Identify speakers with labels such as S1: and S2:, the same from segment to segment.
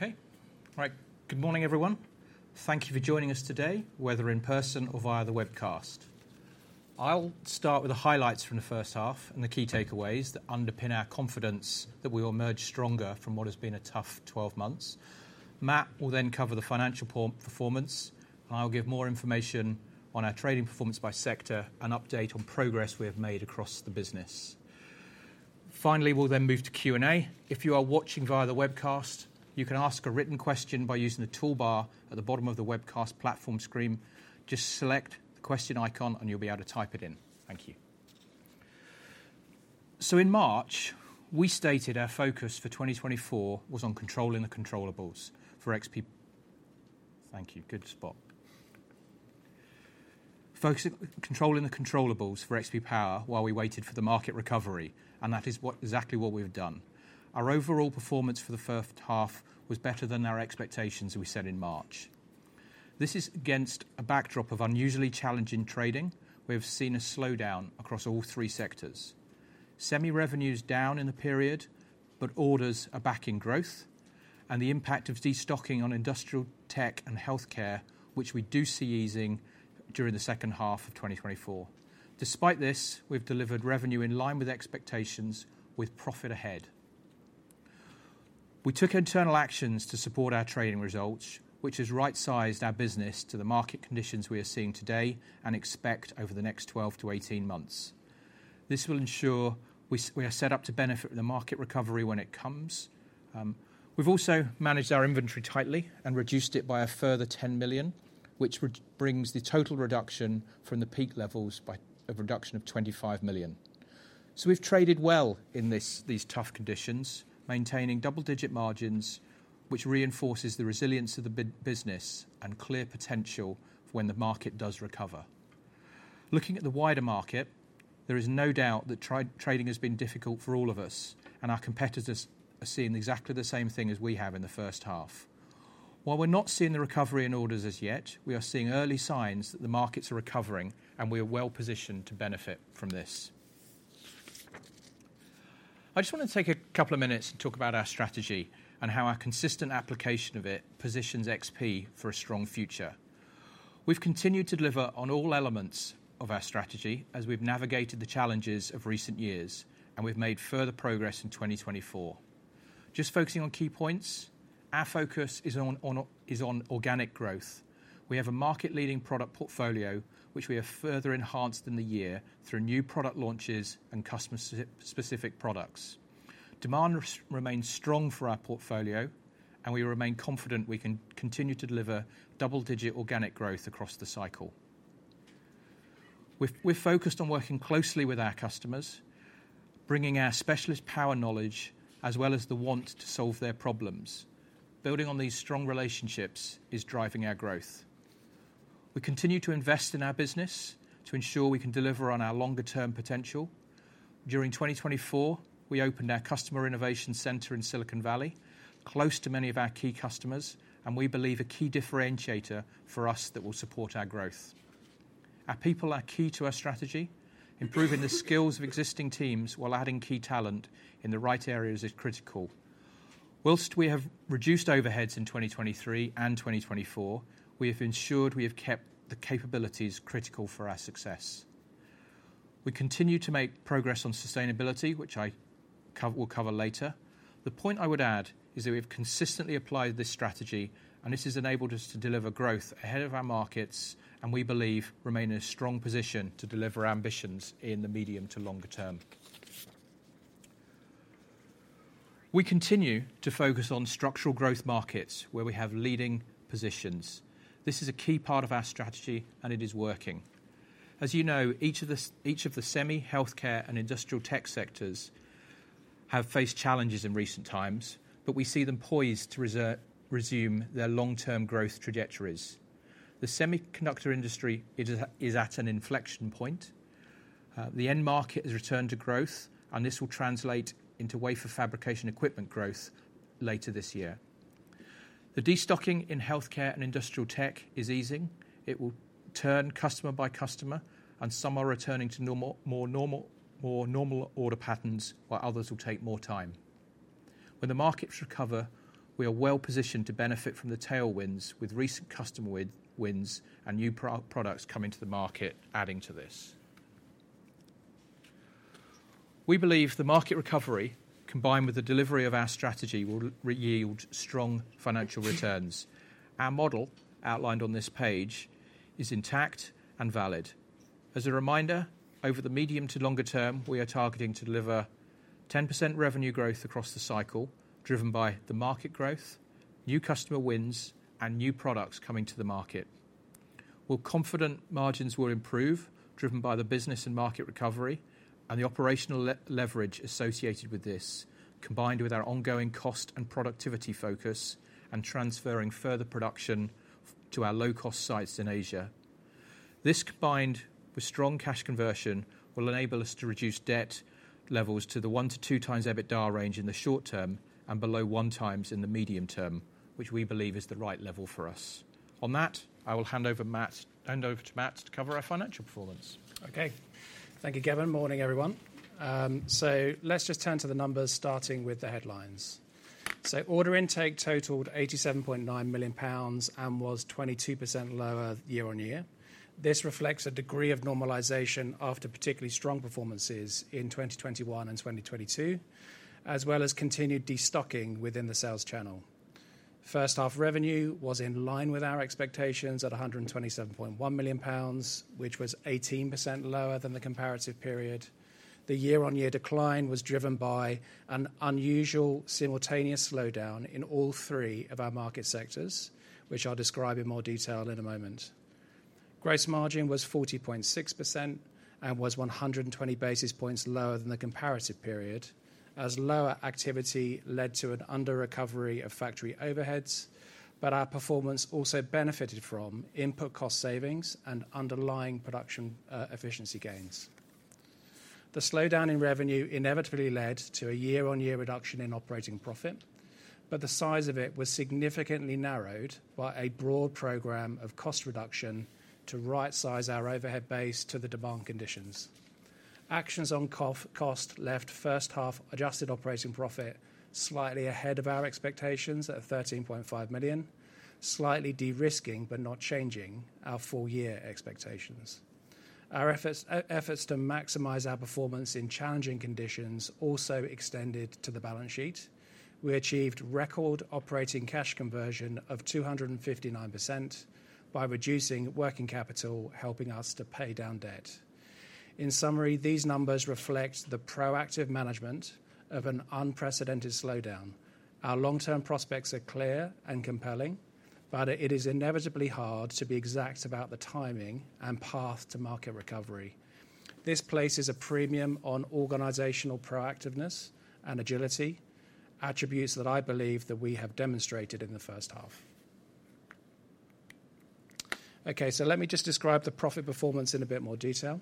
S1: Okay. All right. Good morning, everyone. Thank you for joining us today, whether in person or via the webcast. I'll start with the highlights from the first half and the key takeaways that underpin our confidence that we will emerge stronger from what has been a tough 12 months. Matt will then cover the financial performance, and I'll give more information on our trading performance by sector and update on progress we have made across the business. Finally, we'll then move to Q&A. If you are watching via the webcast, you can ask a written question by using the toolbar at the bottom of the webcast platform screen. Just select the question icon, and you'll be able to type it in. Thank you. So in March, we stated our focus for 2024 was on controlling the controllables for XP. Thank you. Good spot. Focusing, controlling the controllables for XP Power while we waited for the market recovery, and that is what, exactly what we've done. Our overall performance for the first half was better than our expectations we set in March. This is against a backdrop of unusually challenging trading. We have seen a slowdown across all three sectors. Semi revenue is down in the period, but orders are back in growth and the impact of destocking on industrial tech and healthcare, which we do see easing during the second half of 2024. Despite this, we've delivered revenue in line with expectations, with profit ahead. We took internal actions to support our trading results, which has right-sized our business to the market conditions we are seeing today and expect over the next 12-18 months. This will ensure we are set up to benefit from the market recovery when it comes. We've also managed our inventory tightly and reduced it by a further 10 million, which brings the total reduction from the peak levels by a reduction of 25 million. So we've traded well in this, these tough conditions, maintaining double-digit margins, which reinforces the resilience of the business and clear potential for when the market does recover. Looking at the wider market, there is no doubt that trading has been difficult for all of us, and our competitors are seeing exactly the same thing as we have in the first half. While we're not seeing the recovery in orders as yet, we are seeing early signs that the markets are recovering, and we are well positioned to benefit from this. I just want to take a couple of minutes to talk about our strategy and how our consistent application of it positions XP for a strong future. We've continued to deliver on all elements of our strategy as we've navigated the challenges of recent years, and we've made further progress in 2024. Just focusing on key points, our focus is on organic growth. We have a market-leading product portfolio, which we have further enhanced in the year through new product launches and customer specific products. Demand remains strong for our portfolio, and we remain confident we can continue to deliver double-digit organic growth across the cycle. We're focused on working closely with our customers, bringing our specialist power knowledge as well as the want to solve their problems. Building on these strong relationships is driving our growth. We continue to invest in our business to ensure we can deliver on our longer-term potential. During 2024, we opened our Customer Innovation Center in Silicon Valley, close to many of our key customers, and we believe a key differentiator for us that will support our growth. Our people are key to our strategy. Improving the skills of existing teams while adding key talent in the right areas is critical. While we have reduced overheads in 2023 and 2024, we have ensured we have kept the capabilities critical for our success. We continue to make progress on sustainability, which I will cover later. The point I would add is that we've consistently applied this strategy, and this has enabled us to deliver growth ahead of our markets, and we believe remain in a strong position to deliver ambitions in the medium to longer term. We continue to focus on structural growth markets where we have leading positions. This is a key part of our strategy, and it is working. As you know, each of the semi, healthcare, and industrial tech sectors have faced challenges in recent times, but we see them poised to resume their long-term growth trajectories. The semiconductor industry is at, is at an inflection point. The end market has returned to growth, and this will translate into wafer fabrication equipment growth later this year. The destocking in healthcare and industrial tech is easing. It will turn customer by customer, and some are returning to normal, more normal, more normal order patterns, while others will take more time. When the markets recover, we are well positioned to benefit from the tailwinds with recent customer wins and new products coming to the market, adding to this. We believe the market recovery, combined with the delivery of our strategy, will yield strong financial returns. Our model, outlined on this page, is intact and valid. As a reminder, over the medium to longer term, we are targeting to deliver 10% revenue growth across the cycle, driven by the market growth, new customer wins, and new products coming to the market. We're confident margins will improve, driven by the business and market recovery and the operational leverage associated with this, combined with our ongoing cost and productivity focus and transferring further production to our low-cost sites in Asia. This, combined with strong cash conversion, will enable us to reduce debt levels to the 1x-2x EBITDA range in the short term and below 1x in the medium term, which we believe is the right level for us. On that, I will hand over Matt, hand over to Matt to cover our financial performance.
S2: Okay. Thank you, Gavin. Morning, everyone. So let's just turn to the numbers, starting with the headlines. Order intake totaled 87.9 million pounds and was 22% lower year-on-year. This reflects a degree of normalization after particularly strong performances in 2021 and 2022, as well as continued destocking within the sales channel. First half revenue was in line with our expectations at 127.1 million pounds, which was 18% lower than the comparative period. The year-on-year decline was driven by an unusual simultaneous slowdown in all three of our market sectors, which I'll describe in more detail in a moment. Gross margin was 40.6% and was 120 basis points lower than the comparative period, as lower activity led to an under recovery of factory overheads. But our performance also benefited from input cost savings and underlying production efficiency gains. The slowdown in revenue inevitably led to a year-on-year reduction in operating profit, but the size of it was significantly narrowed by a broad program of cost reduction to rightsize our overhead base to the demand conditions. Actions on cost left first half adjusted operating profit slightly ahead of our expectations at 13.5 million, slightly de-risking, but not changing our full year expectations. Our efforts to maximize our performance in challenging conditions also extended to the balance sheet. We achieved record operating cash conversion of 259% by reducing working capital, helping us to pay down debt. In summary, these numbers reflect the proactive management of an unprecedented slowdown. Our long-term prospects are clear and compelling, but it is inevitably hard to be exact about the timing and path to market recovery. This places a premium on organizational proactiveness and agility, attributes that I believe that we have demonstrated in the first half. Okay, so let me just describe the profit performance in a bit more detail.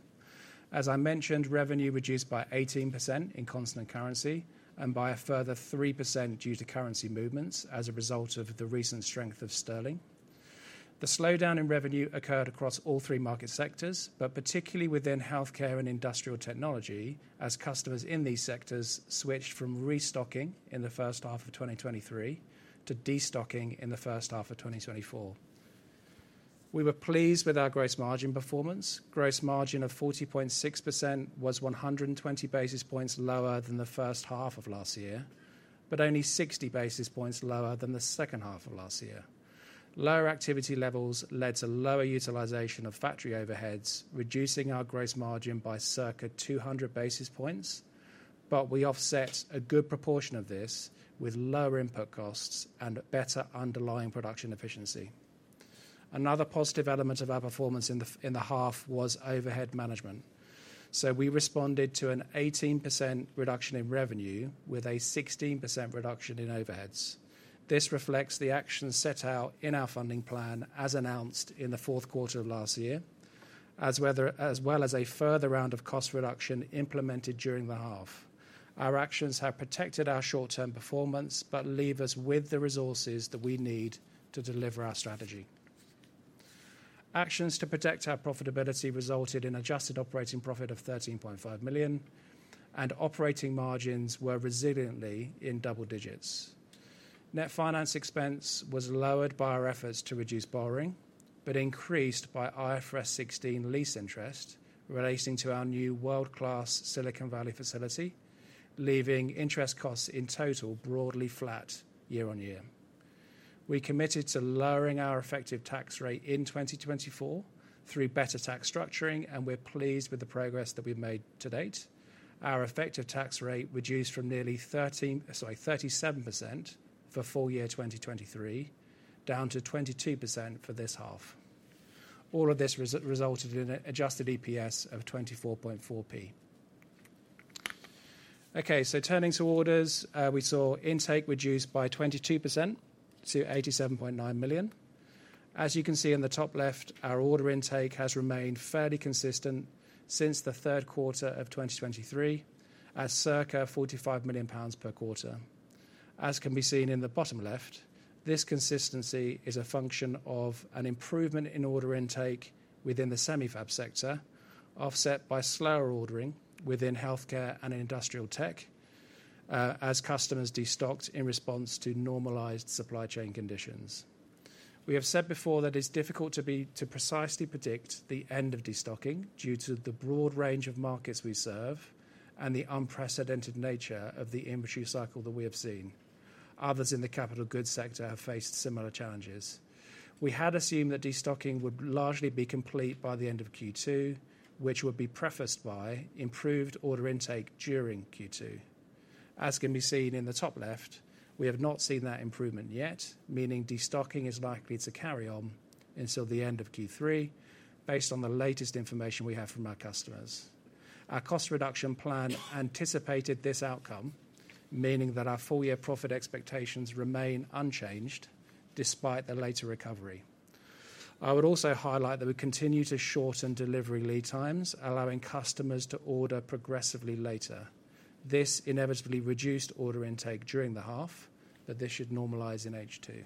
S2: As I mentioned, revenue reduced by 18% in constant currency and by a further 3% due to currency movements as a result of the recent strength of sterling. The slowdown in revenue occurred across all three market sectors, but particularly within healthcare and industrial technology, as customers in these sectors switched from restocking in the first half of 2023 to destocking in the first half of 2024. We were pleased with our gross margin performance. Gross margin of 40.6% was 120 basis points lower than the first half of last year, but only 60 basis points lower than the second half of last year. Lower activity levels led to lower utilization of factory overheads, reducing our gross margin by circa 200 basis points, but we offset a good proportion of this with lower input costs and better underlying production efficiency. Another positive element of our performance in the half was overhead management. So we responded to an 18% reduction in revenue with a 16% reduction in overheads. This reflects the actions set out in our funding plan as announced in the fourth quarter of last year, as well as a further round of cost reduction implemented during the half. Our actions have protected our short-term performance but leave us with the resources that we need to deliver our strategy. Actions to protect our profitability resulted in adjusted operating profit of 13.5 million, and operating margins were resiliently in double digits. Net finance expense was lowered by our efforts to reduce borrowing, but increased by IFRS 16 lease interest relating to our new world-class Silicon Valley facility, leaving interest costs in total broadly flat year-on-year. We committed to lowering our effective tax rate in 2024 through better tax structuring, and we're pleased with the progress that we've made to date. Our effective tax rate reduced from nearly 13, sorry, 37% for full year 2023, down to 22% for this half. All of this resulted in an adjusted EPS of 24.4p. Okay, so turning to orders, we saw intake reduce by 22% to 87.9 million. As you can see in the top left, our order intake has remained fairly consistent since the third quarter of 2023, at circa 45 million pounds per quarter. As can be seen in the bottom left, this consistency is a function of an improvement in order intake within the Semifab sector, offset by slower ordering within healthcare and industrial tech, as customers destocked in response to normalized supply chain conditions. We have said before that it's difficult to precisely predict the end of destocking due to the broad range of markets we serve and the unprecedented nature of the industry cycle that we have seen. Others in the capital goods sector have faced similar challenges. We had assumed that destocking would largely be complete by the end of Q2, which would be prefaced by improved order intake during Q2. As can be seen in the top left, we have not seen that improvement yet, meaning destocking is likely to carry on until the end of Q3, based on the latest information we have from our customers. Our cost reduction plan anticipated this outcome, meaning that our full-year profit expectations remain unchanged despite the later recovery. I would also highlight that we continue to shorten delivery lead times, allowing customers to order progressively later.... This inevitably reduced order intake during the half, but this should normalize in H2.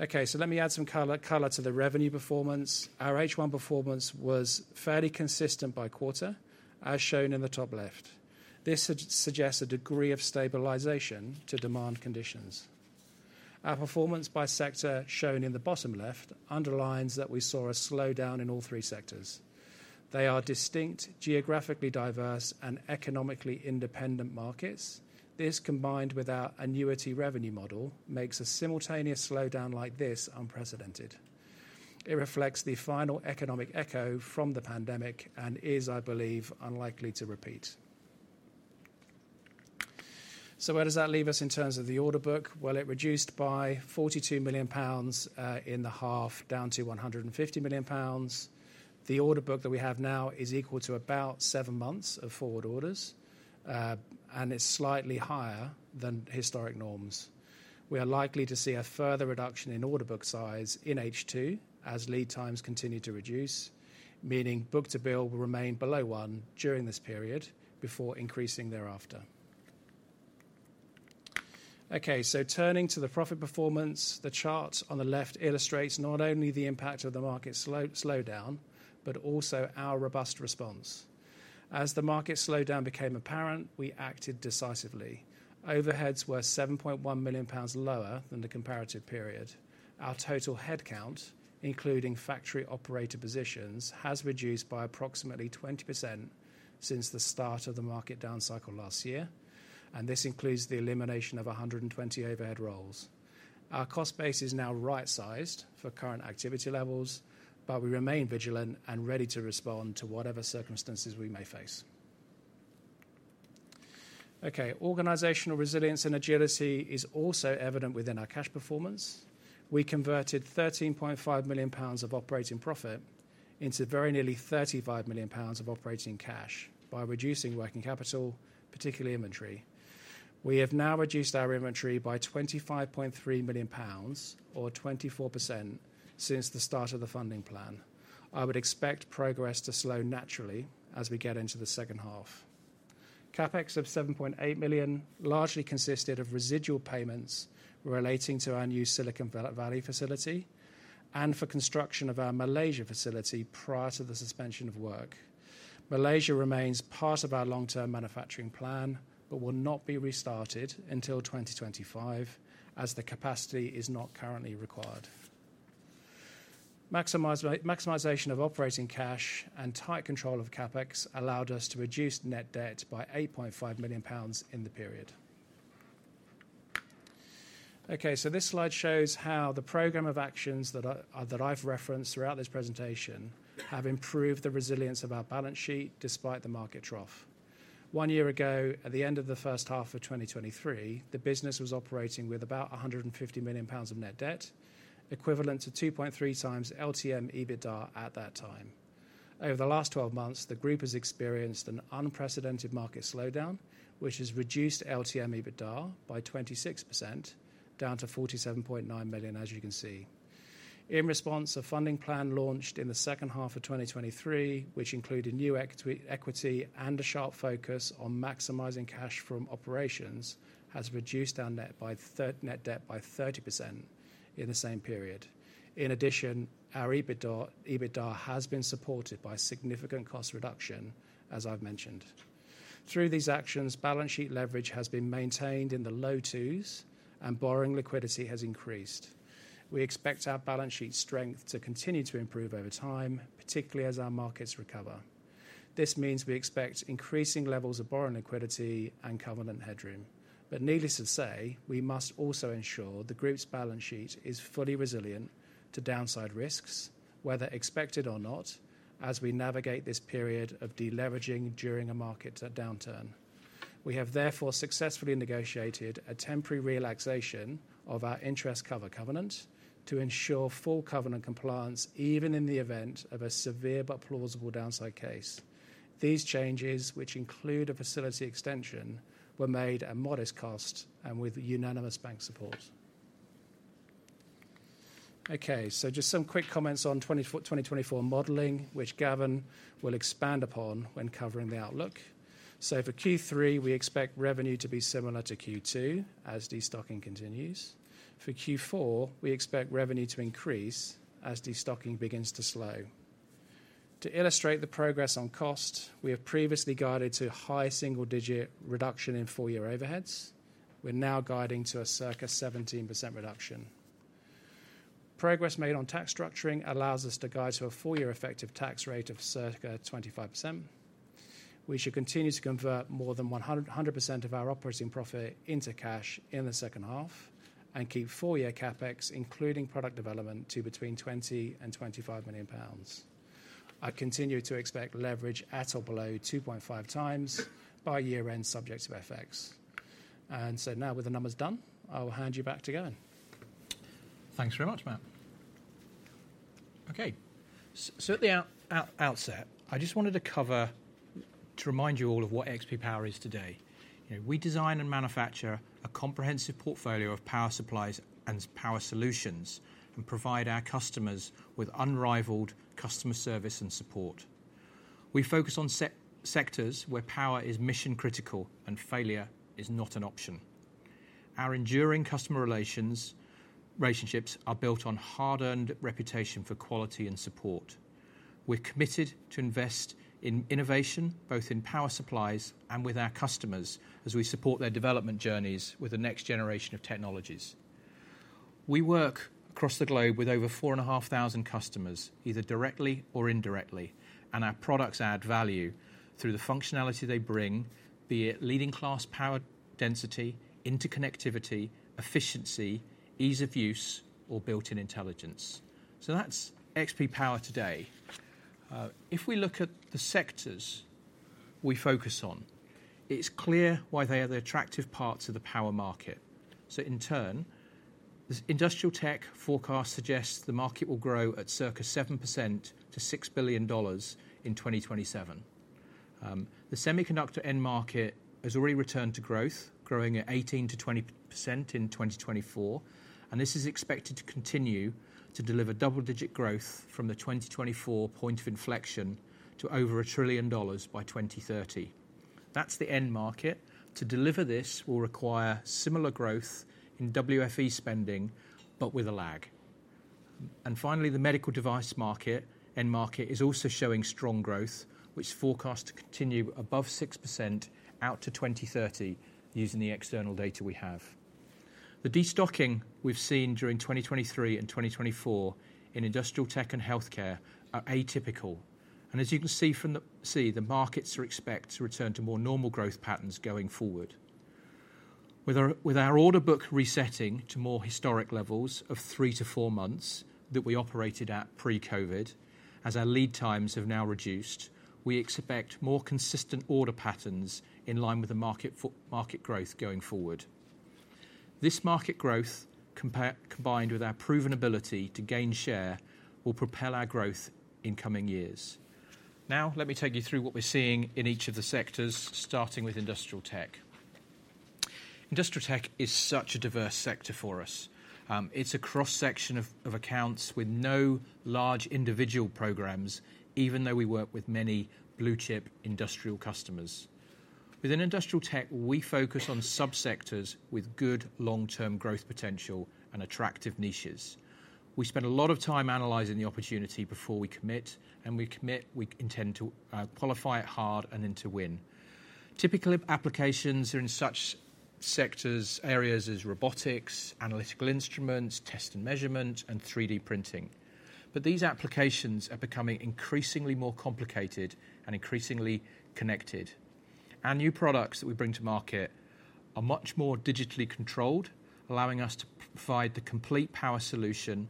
S2: Okay, so let me add some color, color to the revenue performance. Our H1 performance was fairly consistent by quarter, as shown in the top left. This suggests a degree of stabilization to demand conditions. Our performance by sector, shown in the bottom left, underlines that we saw a slowdown in all three sectors. They are distinct, geographically diverse, and economically independent markets. This, combined with our annuity revenue model, makes a simultaneous slowdown like this unprecedented. It reflects the final economic echo from the pandemic and is, I believe, unlikely to repeat. So where does that leave us in terms of the order book? Well, it reduced by 42 million pounds in the half, down to 150 million pounds. The order book that we have now is equal to about seven months of forward orders, and it's slightly higher than historic norms. We are likely to see a further reduction in order book size in H2 as lead times continue to reduce, meaning book-to-bill will remain below one during this period before increasing thereafter. Okay, so turning to the profit performance, the chart on the left illustrates not only the impact of the market slowdown, but also our robust response. As the market slowdown became apparent, we acted decisively. Overheads were 7.1 million pounds lower than the comparative period. Our total headcount, including factory operator positions, has reduced by approximately 20% since the start of the market downcycle last year, and this includes the elimination of 120 overhead roles. Our cost base is now right-sized for current activity levels, but we remain vigilant and ready to respond to whatever circumstances we may face. Okay, organizational resilience and agility is also evident within our cash performance. We converted 13.5 million pounds of operating profit into very nearly 35 million pounds of operating cash by reducing working capital, particularly inventory. We have now reduced our inventory by 25.3 million pounds or 24% since the start of the funding plan. I would expect progress to slow naturally as we get into the second half. CapEx of 7.8 million largely consisted of residual payments relating to our new Silicon Valley facility and for construction of our Malaysia facility prior to the suspension of work. Malaysia remains part of our long-term manufacturing plan, but will not be restarted until 2025, as the capacity is not currently required. Maximization of operating cash and tight control of CapEx allowed us to reduce net debt by 8.5 million pounds in the period. Okay, so this slide shows how the program of actions that I, that I've referenced throughout this presentation have improved the resilience of our balance sheet despite the market trough. One year ago, at the end of the first half of 2023, the business was operating with about 150 million pounds of net debt, equivalent to 2.3x LTM EBITDA at that time. Over the last 12 months, the group has experienced an unprecedented market slowdown, which has reduced LTM EBITDA by 26%, down to 47.9 million, as you can see. In response, a funding plan launched in the second half of 2023, which included new equity, equity, and a sharp focus on maximizing cash from operations, has reduced our net debt by 30% in the same period. In addition, our EBITDA has been supported by significant cost reduction, as I've mentioned. Through these actions, balance sheet leverage has been maintained in the low twos, and borrowing liquidity has increased. We expect our balance sheet strength to continue to improve over time, particularly as our markets recover. This means we expect increasing levels of borrowing liquidity and covenant headroom. But needless to say, we must also ensure the group's balance sheet is fully resilient to downside risks, whether expected or not, as we navigate this period of deleveraging during a market downturn. We have therefore successfully negotiated a temporary relaxation of our interest cover covenant to ensure full covenant compliance, even in the event of a severe but plausible downside case. These changes, which include a facility extension, were made at modest cost and with unanimous bank support. Okay, so just some quick comments on 2024 modeling, which Gavin will expand upon when covering the outlook. So for Q3, we expect revenue to be similar to Q2 as destocking continues. For Q4, we expect revenue to increase as destocking begins to slow. To illustrate the progress on cost, we have previously guided to high single-digit reduction in full-year overheads. We're now guiding to a circa 17% reduction. Progress made on tax structuring allows us to guide to a full-year effective tax rate of circa 25%. We should continue to convert more than 100% of our operating profit into cash in the second half and keep full-year CapEx, including product development, to between 20 million and 25 million pounds. I continue to expect leverage at or below 2.5x by year-end, subject to FX. So now with the numbers done, I will hand you back to Gavin.
S1: Thanks very much, Matt. Okay, so at the outset, I just wanted to cover... To remind you all of what XP Power is today. You know, we design and manufacture a comprehensive portfolio of power supplies and power solutions and provide our customers with unrivaled customer service and support. We focus on sectors where power is mission-critical and failure is not an option. Our enduring customer relations, relationships are built on hard-earned reputation for quality and support. We're committed to invest in innovation, both in power supplies and with our customers, as we support their development journeys with the next generation of technologies. We work across the globe with over 4,500 customers, either directly or indirectly, and our products add value through the functionality they bring, be it leading-class power density, interconnectivity, efficiency, ease of use, or built-in intelligence. So that's XP Power today. If we look at the sectors we focus on, it's clear why they are the attractive parts of the power market. So in turn, this industrial tech forecast suggests the market will grow at circa 7% to $6 billion in 2027. The semiconductor end market has already returned to growth, growing at 18%-20% in 2024, and this is expected to continue to deliver double-digit growth from the 2024 point of inflection to over $1 trillion by 2030. That's the end market. To deliver this will require similar growth in WFE spending, but with a lag. And finally, the medical device market, end market, is also showing strong growth, which is forecast to continue above 6% out to 2030, using the external data we have. The destocking we've seen during 2023 and 2024 in industrial tech and healthcare are atypical, and as you can see from the see, the markets are expected to return to more normal growth patterns going forward. With our order book resetting to more historic levels of three to four months that we operated at pre-COVID, as our lead times have now reduced, we expect more consistent order patterns in line with the market for market growth going forward. This market growth combined with our proven ability to gain share will propel our growth in coming years. Now, let me take you through what we're seeing in each of the sectors, starting with industrial tech. Industrial tech is such a diverse sector for us. It's a cross-section of accounts with no large individual programs, even though we work with many blue-chip industrial customers. Within industrial tech, we focus on sub-sectors with good long-term growth potential and attractive niches. We spend a lot of time analyzing the opportunity before we commit, and we commit, we intend to qualify it hard and then to win. Typical applications are in such sectors, areas as robotics, analytical instruments, test and measurement, and 3D printing. But these applications are becoming increasingly more complicated and increasingly connected. Our new products that we bring to market are much more digitally controlled, allowing us to provide the complete power solution,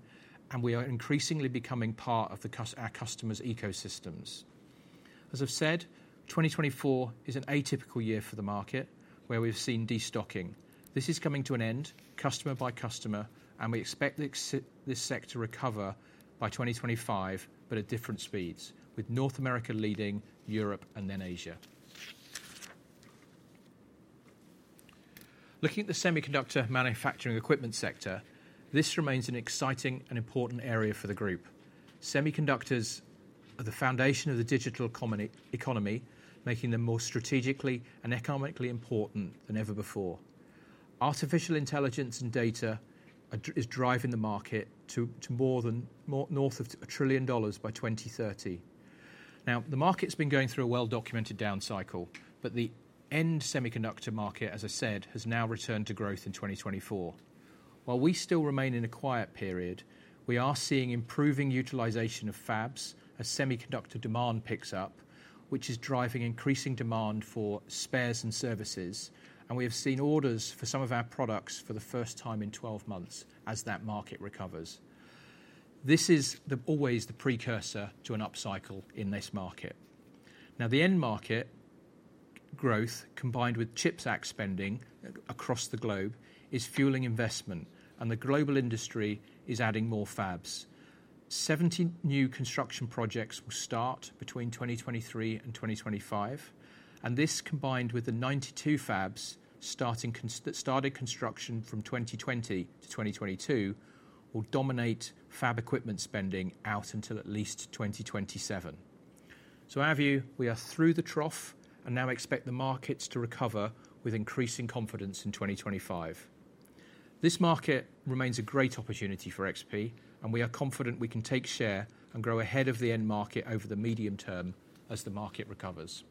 S1: and we are increasingly becoming part of the customers' ecosystems. As I've said, 2024 is an atypical year for the market, where we've seen destocking. This is coming to an end, customer by customer, and we expect this sector to recover by 2025, but at different speeds, with North America leading Europe and then Asia. Looking at the semiconductor manufacturing equipment sector, this remains an exciting and important area for the group. Semiconductors are the foundation of the digital economy, making them more strategically and economically important than ever before. Artificial intelligence and data is driving the market to more than north of $1 trillion by 2030. Now, the market's been going through a well-documented down cycle, but the end semiconductor market, as I said, has now returned to growth in 2024. While we still remain in a quiet period, we are seeing improving utilization of fabs as semiconductor demand picks up, which is driving increasing demand for spares and services, and we have seen orders for some of our products for the first time in 12 months as that market recovers. This is always the precursor to an upcycle in this market. Now, the end market growth, combined with CHIPS Act spending across the globe, is fueling investment, and the global industry is adding more fabs. 70 new construction projects will start between 2023 and 2025, and this, combined with the 92 fabs that started construction from 2020 to 2022, will dominate fab equipment spending out until at least 2027. So our view, we are through the trough and now expect the markets to recover with increasing confidence in 2025. This market remains a great opportunity for XP, and we are confident we can take share and grow ahead of the end market over the medium term as the market recovers.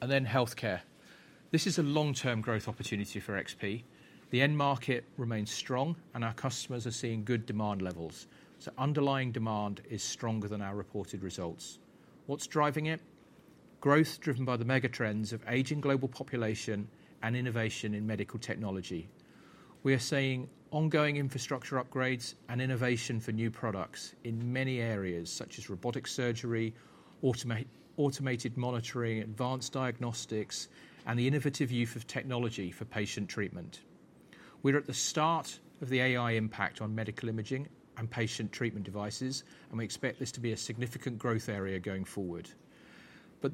S1: And then healthcare. This is a long-term growth opportunity for XP. The end market remains strong, and our customers are seeing good demand levels, so underlying demand is stronger than our reported results. What's driving it? Growth driven by the mega trends of aging global population and innovation in medical technology. We are seeing ongoing infrastructure upgrades and innovation for new products in many areas, such as robotic surgery, automated monitoring, advanced diagnostics, and the innovative use of technology for patient treatment. We're at the start of the AI impact on medical imaging and patient treatment devices, and we expect this to be a significant growth area going forward. But...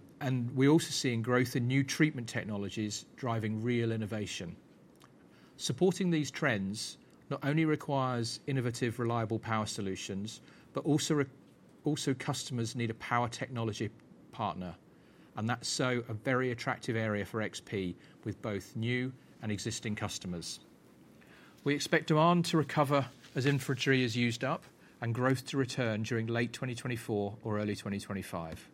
S1: We're also seeing growth in new treatment technologies driving real innovation... Supporting these trends not only requires innovative, reliable power solutions, but also customers need a power technology partner, and that's a very attractive area for XP with both new and existing customers. We expect demand to recover as inventory is used up and growth to return during late 2024 or early 2025.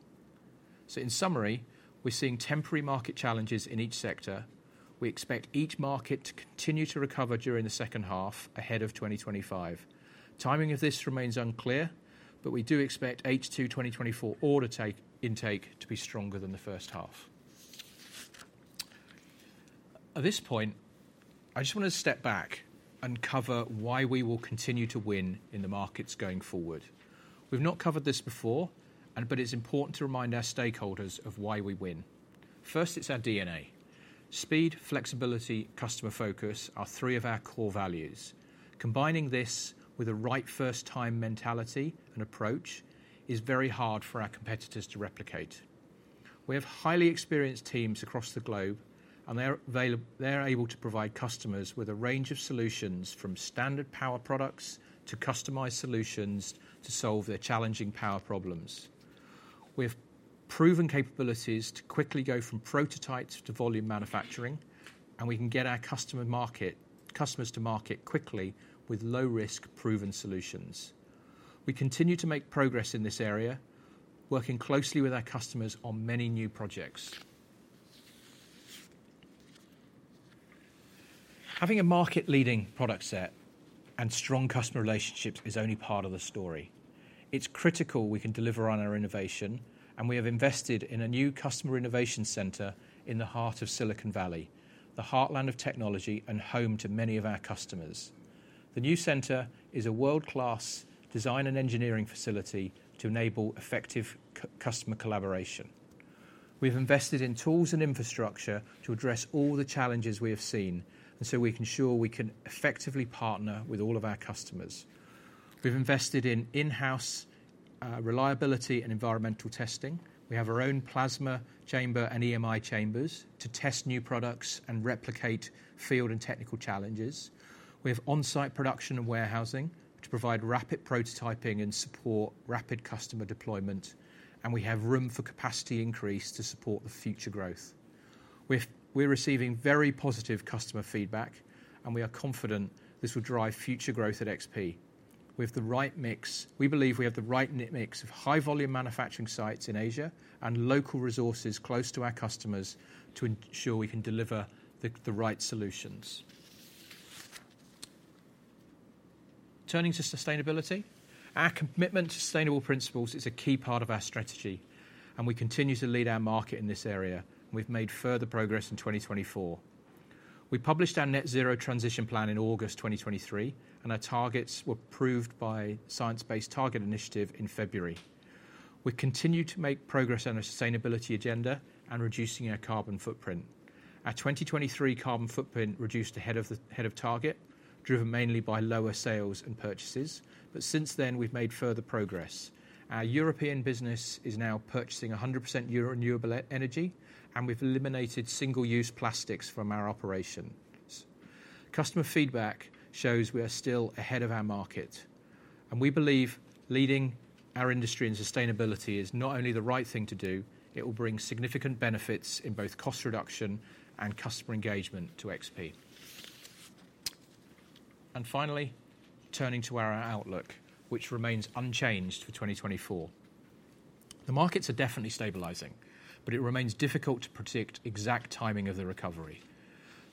S1: In summary, we're seeing temporary market challenges in each sector. We expect each market to continue to recover during the second half, ahead of 2025. Timing of this remains unclear, but we do expect H2 2024 order intake to be stronger than the first half. At this point, I just want to step back and cover why we will continue to win in the markets going forward. We've not covered this before, but it's important to remind our stakeholders of why we win. First, it's our DNA. Speed, flexibility, customer focus are three of our core values. Combining this with a right first time mentality and approach is very hard for our competitors to replicate. We have highly experienced teams across the globe, and they're able to provide customers with a range of solutions, from standard power products to customized solutions, to solve their challenging power problems. We have proven capabilities to quickly go from prototypes to volume manufacturing, and we can get our customers to market quickly with low risk, proven solutions. We continue to make progress in this area, working closely with our customers on many new projects. Having a market-leading product set and strong customer relationships is only part of the story. It's critical we can deliver on our innovation, and we have invested in a new Customer Innovation Center in the heart of Silicon Valley, the heartland of technology and home to many of our customers. The new center is a world-class design and engineering facility to enable effective customer collaboration. We've invested in tools and infrastructure to address all the challenges we have seen, and so we can ensure we can effectively partner with all of our customers. We've invested in in-house reliability and environmental testing. We have our own plasma chamber and EMI chambers to test new products and replicate field and technical challenges. We have on-site production and warehousing to provide rapid prototyping and support rapid customer deployment, and we have room for capacity increase to support the future growth. We're receiving very positive customer feedback, and we are confident this will drive future growth at XP. We have the right mix. We believe we have the right mix of high volume manufacturing sites in Asia and local resources close to our customers to ensure we can deliver the right solutions. Turning to sustainability, our commitment to sustainable principles is a key part of our strategy, and we continue to lead our market in this area, and we've made further progress in 2024. We published our net zero transition plan in August 2023, and our targets were approved by Science Based Targets initiative in February. We continue to make progress on our sustainability agenda and reducing our carbon footprint. Our 2023 carbon footprint reduced ahead of target, driven mainly by lower sales and purchases, but since then, we've made further progress. Our European business is now purchasing 100% renewable energy, and we've eliminated single-use plastics from our operations. Customer feedback shows we are still ahead of our market, and we believe leading our industry in sustainability is not only the right thing to do, it will bring significant benefits in both cost reduction and customer engagement to XP. And finally, turning to our outlook, which remains unchanged for 2024. The markets are definitely stabilizing, but it remains difficult to predict exact timing of the recovery.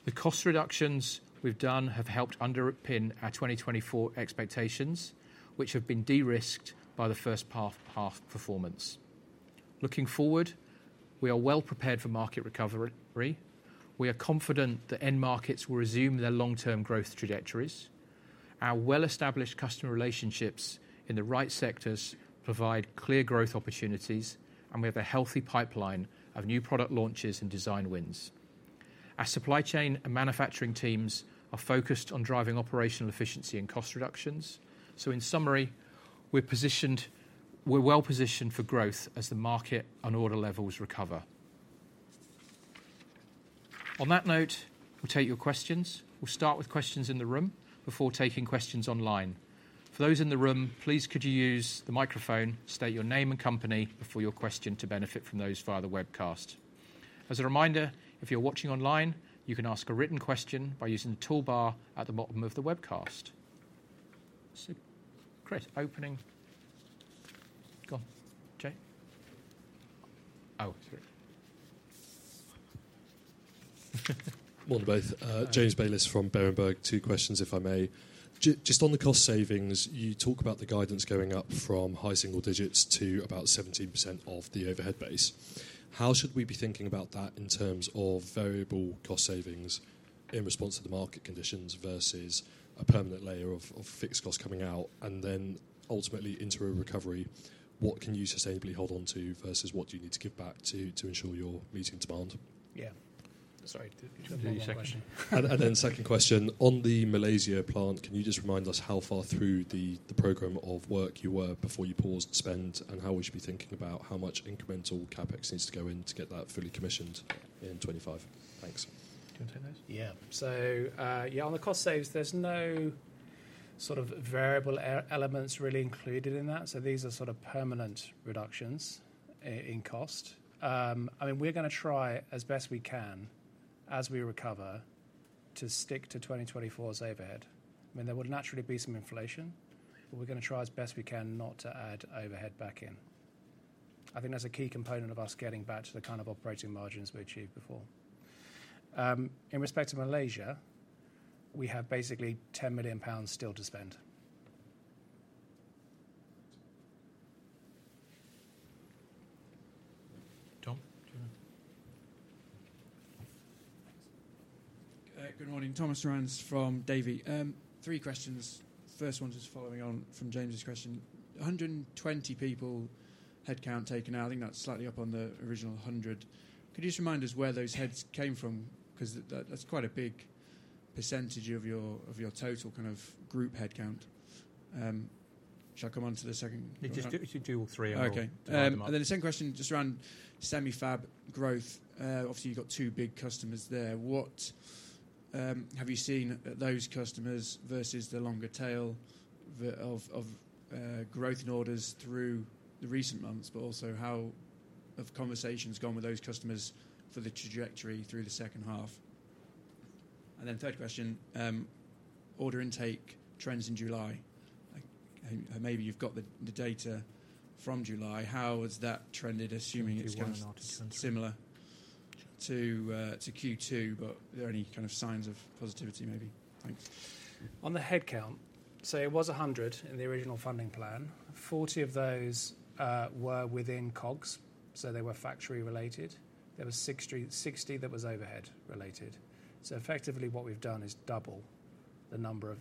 S1: The cost reductions we've done have helped underpin our 2024 expectations, which have been de-risked by the first half's performance. Looking forward, we are well prepared for market recovery. We are confident the end markets will resume their long-term growth trajectories. Our well-established customer relationships in the right sectors provide clear growth opportunities, and we have a healthy pipeline of new product launches and design wins. Our supply chain and manufacturing teams are focused on driving operational efficiency and cost reductions. So in summary, we're positioned, we're well positioned for growth as the market and order levels recover. On that note, we'll take your questions. We'll start with questions in the room before taking questions online. For those in the room, please could you use the microphone, state your name and company before your question to benefit from those via the webcast. As a reminder, if you're watching online, you can ask a written question by using the toolbar at the bottom of the webcast. So Chris, opening. Go on, Jay. Oh, sorry.
S3: Morning, both. James Bayliss from Berenberg. Two questions, if I may. Just on the cost savings, you talk about the guidance going up from high single digits to about 17% of the overhead base. How should we be thinking about that in terms of variable cost savings in response to the market conditions versus a permanent layer of fixed costs coming out, and then ultimately into a recovery, what can you sustainably hold on to versus what do you need to give back to ensure you're meeting demand?
S1: Yeah. Sorry, do you wanna do one more question?
S3: Then second question, on the Malaysia plant, can you just remind us how far through the program of work you were before you paused spend, and how we should be thinking about how much incremental CapEx needs to go in to get that fully commissioned in 2025? Thanks.
S1: Do you want to take those?
S2: Yeah. So, on the cost saves, there's no sort of variable elements really included in that, so these are sort of permanent reductions in cost. I mean, we're gonna try as best we can, as we recover, to stick to 2024's overhead. I mean, there will naturally be some inflation, but we're gonna try as best we can not to add overhead back in. I think that's a key component of us getting back to the kind of operating margins we achieved before. In respect to Malaysia, we have basically 10 million pounds still to spend.
S1: Tom?
S4: Good morning. Thomas Rands from Davy. Three questions. First one just following on from James' question. 120 people headcount taken out, I think that's slightly up on the original 100. Could you just remind us where those heads came from? 'Cause that's quite a big percentage of your, of your total kind of group headcount. Shall I come on to the second-
S2: Yes, just do all three and we'll-
S4: Okay.
S2: Wind them up.
S4: And then the second question, just around semi fab growth. Obviously, you've got two big customers there. What have you seen those customers versus the longer tail of growth in orders through the recent months? But also, how have conversations gone with those customers for the trajectory through the second half? And then third question, order intake trends in July. Like, maybe you've got the data from July. How has that trended, assuming-
S2: Let me get one and not two....
S4: it's kind of similar to Q2, but are there any kind of signs of positivity, maybe? Thanks.
S2: On the headcount, it was 100 in the original funding plan. 40 of those were within COGS, so they were factory related. There were 60, 60 that was overhead related. So effectively, what we've done is double the number of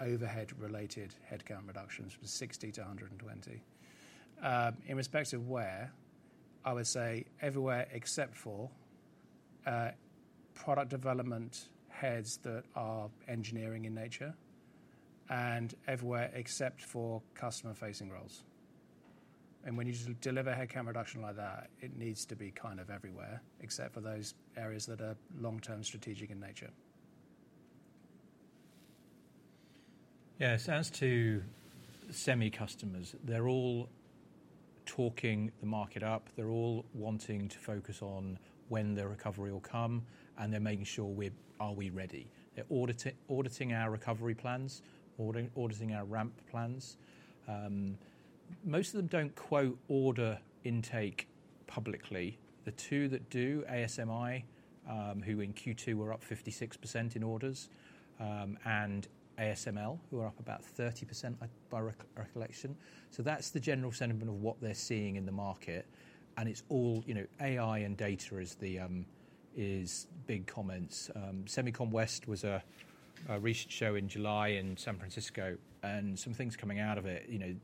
S2: overhead-related headcount reductions from 60-120. In respect to where, I would say everywhere except for product development heads that are engineering in nature and everywhere except for customer-facing roles. When you deliver a headcount reduction like that, it needs to be kind of everywhere, except for those areas that are long-term strategic in nature.
S1: Yeah. So as to semi customers, they're all talking the market up. They're all wanting to focus on when the recovery will come, and they're making sure we're ready. They're auditing our recovery plans, auditing our ramp plans. Most of them don't quote order intake publicly. The two that do, ASMI, who in Q2 were up 56% in orders, and ASML, who are up about 30% by recollection. So that's the general sentiment of what they're seeing in the market, and it's all, you know, AI and data is the is big comments. SEMICON West was a recent show in July in San Francisco, and some things coming out of it, you know,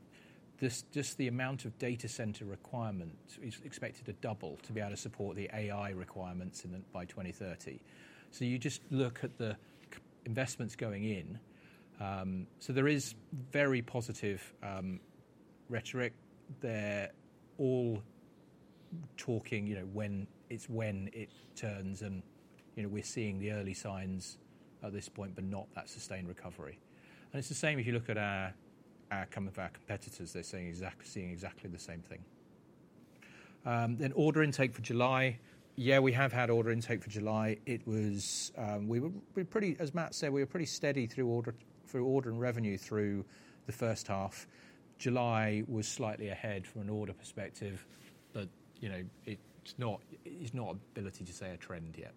S1: just the amount of data center requirement is expected to double to be able to support the AI requirements in the by 2030. So you just look at the investments going in. So there is very positive rhetoric. They're all talking, you know, when it's, when it turns and, you know, we're seeing the early signs at this point, but not that sustained recovery. And it's the same if you look at some of our competitors. They're seeing exactly the same thing. Then order intake for July. Yeah, we have had order intake for July. It was, we were pretty, as Matt said, we were pretty steady through order and revenue through the first half. July was slightly ahead from an order perspective, but you know, it's not able to say a trend yet.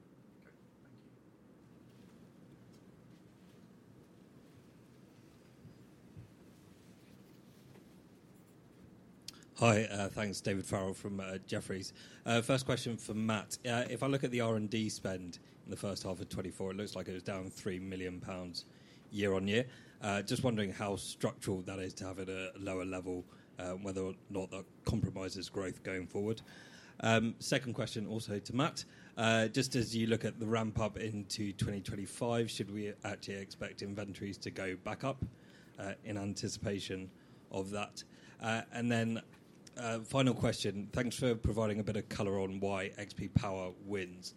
S4: Okay. Thank you.
S5: Hi, thanks. David Farrell from Jefferies. First question for Matt. If I look at the R&D spend in the first half of 2024, it looks like it was down 3 million pounds year-on-year. Just wondering how structural that is to have at a lower level, whether or not that compromises growth going forward. Second question, also to Matt. Just as you look at the ramp up into 2025, should we actually expect inventories to go back up, in anticipation of that? And then, final question, thanks for providing a bit of color on why XP Power wins.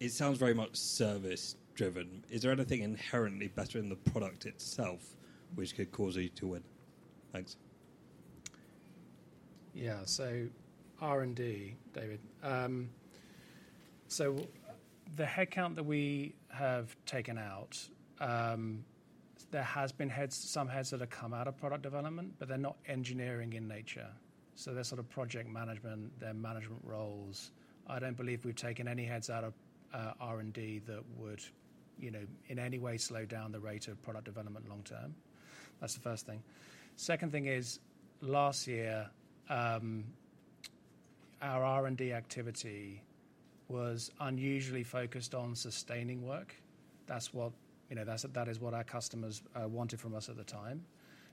S5: It sounds very much service driven. Is there anything inherently better in the product itself which could cause you to win? Thanks.
S2: Yeah, so R&D, David. So the headcount that we have taken out, there has been heads, some heads that have come out of product development, but they're not engineering in nature. So they're sort of project management, they're management roles. I don't believe we've taken any heads out of R&D that would, you know, in any way slow down the rate of product development long term. That's the first thing. Second thing is, last year, our R&D activity was unusually focused on sustaining work. That's what, you know, that's, that is what our customers wanted from us at the time.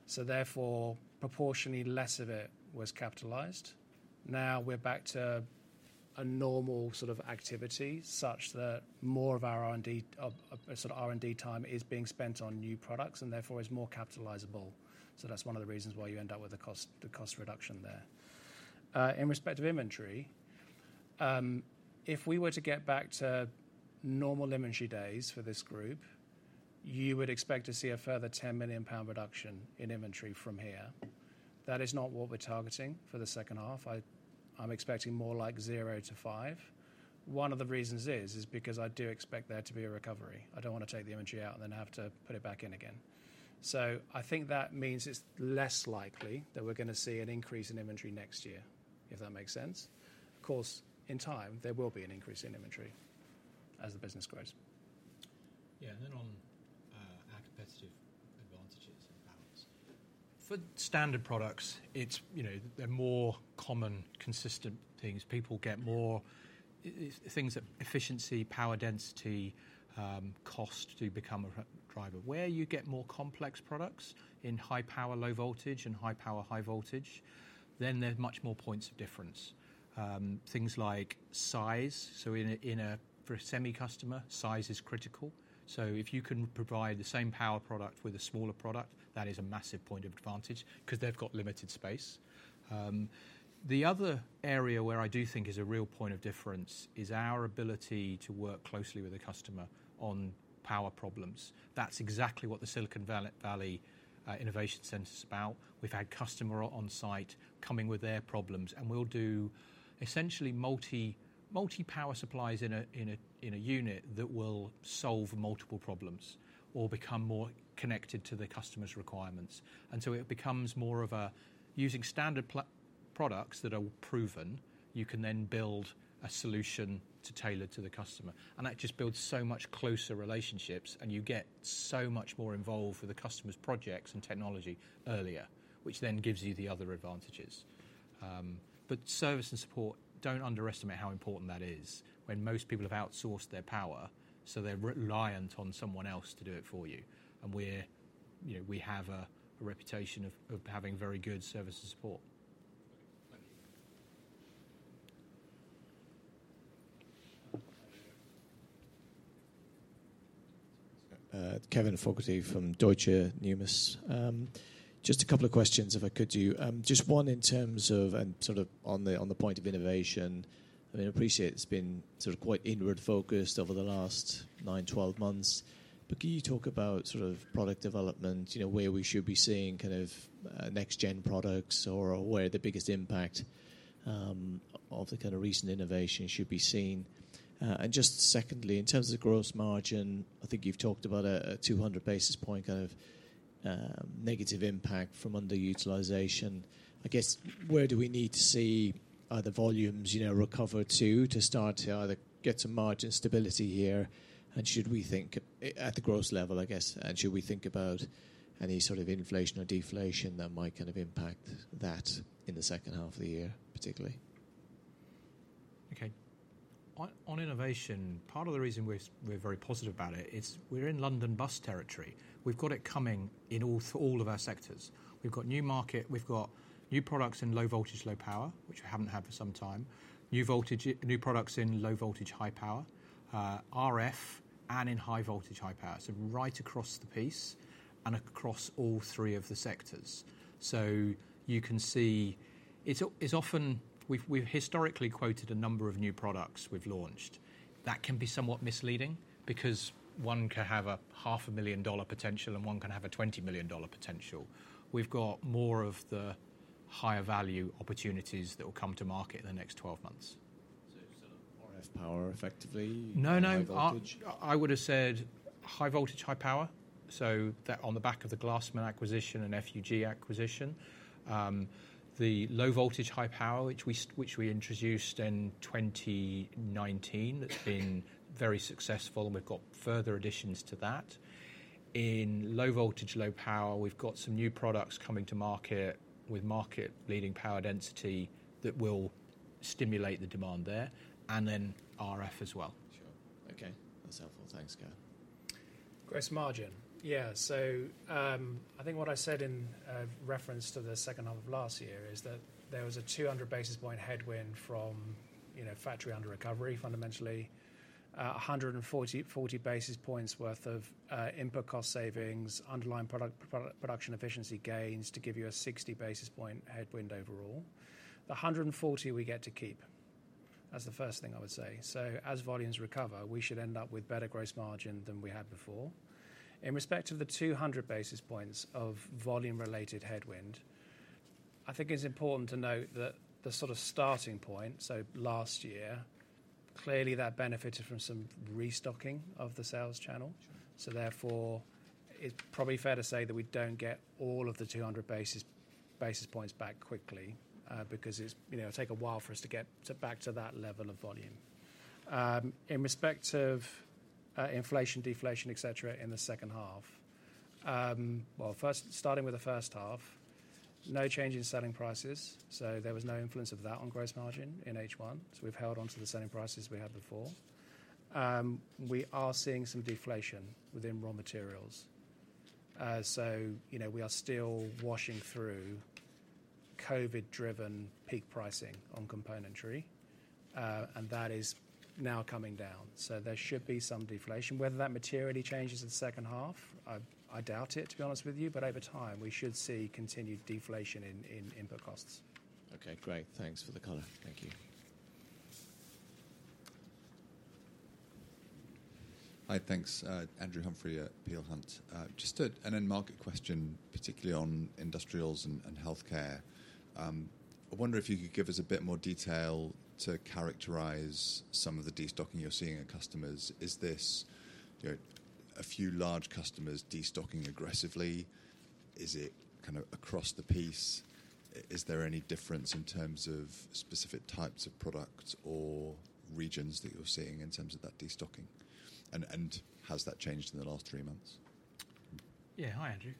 S2: So therefore, proportionally less of it was capitalized. Now, we're back to a normal sort of activity, such that more of our R&D, of, of sort of R&D time is being spent on new products and therefore is more capitalizable. So that's one of the reasons why you end up with the cost, the cost reduction there. In respect of inventory-... If we were to get back to normal inventory days for this group, you would expect to see a further 10 million pound reduction in inventory from here. That is not what we're targeting for the second half. I'm expecting more like 0 million-5 million. One of the reasons is because I do expect there to be a recovery. I don't want to take the inventory out and then have to put it back in again. So I think that means it's less likely that we're gonna see an increase in inventory next year, if that makes sense. Of course, in time, there will be an increase in inventory as the business grows.
S1: Yeah, and then on our competitive advantages and balance.
S2: For standard products, it's, you know, they're more common, consistent things. People get more, things like efficiency, power density, cost do become a driver. Where you get more complex products, in high power, low voltage and high power, high voltage, then there's much more points of difference. Things like size. So in a for a semi customer, size is critical. So if you can provide the same power product with a smaller product, that is a massive point of advantage because they've got limited space. The other area where I do think is a real point of difference is our ability to work closely with the customer on power problems. That's exactly what the Silicon Valley innovation center is about. We've had customer on site coming with their problems, and we'll do essentially multi power supplies in a unit that will solve multiple problems or become more connected to the customer's requirements. And so it becomes more of a using standard products that are proven, you can then build a solution to tailor to the customer. And that just builds so much closer relationships, and you get so much more involved with the customer's projects and technology earlier, which then gives you the other advantages. But service and support, don't underestimate how important that is when most people have outsourced their power, so they're reliant on someone else to do it for you. And we're, you know, we have a reputation of having very good service and support.
S5: Thank you.
S6: Kevin Fogarty from Deutsche Numis. Just a couple of questions, if I could to you. Just one in terms of and sort of on the, on the point of innovation, and I appreciate it's been sort of quite inward focused over the last nine, 12 months, but can you talk about sort of product development? You know, where we should be seeing kind of next gen products or where the biggest impact of the kind of recent innovation should be seen? And just secondly, in terms of the gross margin, I think you've talked about a 200 basis point kind of negative impact from underutilization. I guess, where do we need to see either volumes, you know, recover to, to start to either get some margin stability here? Should we think at the gross level, I guess, and should we think about any sort of inflation or deflation that might kind of impact that in the second half of the year, particularly?
S1: Okay. On innovation, part of the reason we're very positive about it is we're in London bus territory. We've got it coming in all of our sectors. We've got new market, we've got new products in low voltage, low power, which we haven't had for some time. New products in low voltage, high power, RF, and in high voltage, high power. So right across the piece and across all three of the sectors. So you can see. It's often we've historically quoted a number of new products we've launched. That can be somewhat misleading because one can have a $500,000 potential, and one can have a $20 million potential. We've got more of the higher value opportunities that will come to market in the next 12 months.
S6: So sort of RF power effectively-
S1: No, no.
S6: High voltage?
S1: I would have said high voltage, high power. So that on the back of the Glassman acquisition and FUG acquisition. The low voltage, high power, which we introduced in 2019, that's been very successful, and we've got further additions to that. In low voltage, low power, we've got some new products coming to market with market-leading power density that will stimulate the demand there, and then RF as well.
S6: Sure. Okay, that's helpful. Thanks, Gavin.
S2: Gross margin. Yeah, so, I think what I said in reference to the second half of last year is that there was a 200 basis point headwind from, you know, factory under recovery. Fundamentally, a hundred and forty basis points worth of input cost savings, underlying product production efficiency gains to give you a 60 basis point headwind overall. The hundred and forty we get to keep. That's the first thing I would say. So as volumes recover, we should end up with better gross margin than we had before. In respect to the 200 basis points of volume-related headwind, I think it's important to note that the sort of starting point, so last year, clearly that benefited from some restocking of the sales channel.
S6: Sure.
S2: So therefore, it's probably fair to say that we don't get all of the 200 basis points back quickly, because it's, you know, take a while for us to get to back to that level of volume. In respect of inflation, deflation, et cetera, in the second half, first starting with the first half, no change in selling prices, so there was no influence of that on gross margin in H1. So we've held on to the selling prices we had before. We are seeing some deflation within raw materials. So, you know, we are still washing through COVID-driven peak pricing on componentry, and that is now coming down. So there should be some deflation. Whether that materially changes in the second half, I doubt it, to be honest with you, but over time, we should see continued deflation in input costs.
S6: Okay, great. Thanks for the color. Thank you.
S7: Hi, thanks. Andrew Humphrey at Peel Hunt. Just an end market question, particularly on industrials and healthcare. I wonder if you could give us a bit more detail to characterize some of the destocking you're seeing in customers. Is this, you know, a few large customers destocking aggressively? Is it kind of across the piece? Is there any difference in terms of specific types of products or regions that you're seeing in terms of that destocking? And has that changed in the last three months?
S1: Yeah. Hi, Andrew.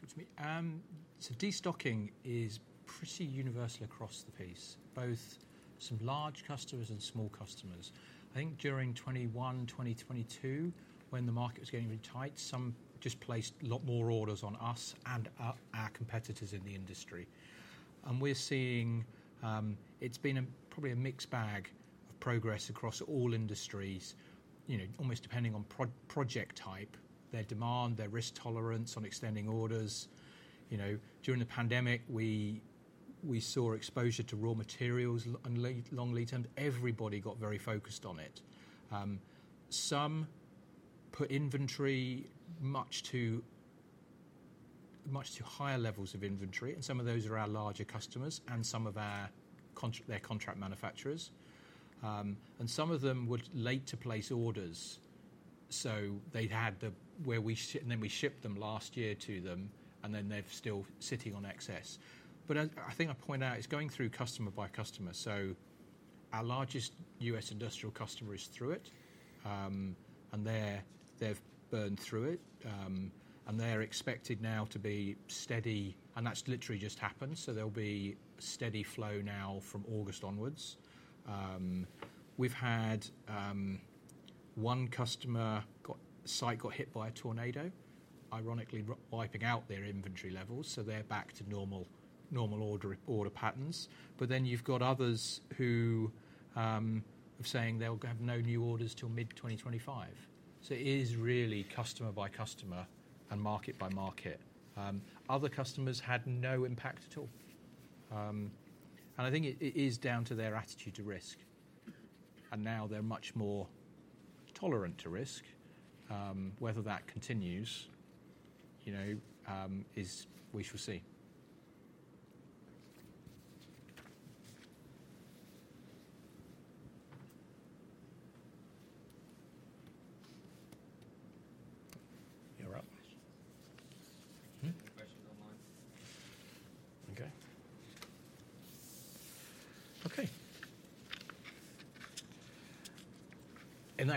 S1: Good to meet. So destocking is pretty universal across the piece, both some large customers and small customers. I think during 2021, 2022, when the market was getting really tight, some just placed a lot more orders on us and our, our competitors in the industry. And we're seeing... It's been a probably a mixed bag of progress across all industries, you know, almost depending on project type, their demand, their risk tolerance on extending orders. You know, during the pandemic, we, we saw exposure to raw materials and long lead time. Everybody got very focused on it. Some put inventory much to, much to higher levels of inventory, and some of those are our larger customers and some of our contract manufacturers. And some of them were late to place orders, so they'd had the where we and then we shipped them last year to them, and then they're still sitting on excess. But I think I point out, it's going through customer by customer, so our largest U.S. industrial customer is through it. And they've burned through it. And they're expected now to be steady, and that's literally just happened, so there'll be steady flow now from August onwards. We've had one customer got, site got hit by a tornado, ironically, wiping out their inventory levels, so they're back to normal, normal order, order patterns. But then you've got others who are saying they'll have no new orders till mid-2025. So it is really customer by customer and market by market. Other customers had no impact at all. I think it is down to their attitude to risk, and now they're much more tolerant to risk. Whether that continues, you know, is we shall see.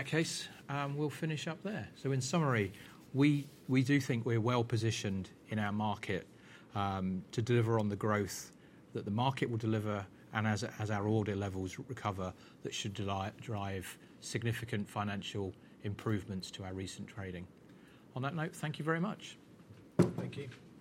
S1: You're up.
S2: Questions.
S1: Hmm?
S2: Questions online.
S1: Okay. Okay. In that case, we'll finish up there. So in summary, we, we do think we're well positioned in our market, to deliver on the growth that the market will deliver, and as, as our order levels recover, that should drive significant financial improvements to our recent trading. On that note, thank you very much.
S2: Thank you.